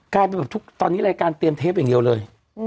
กลายเป็นแบบทุกตอนนี้รายการเตรียมเทปอย่างเดียวเลย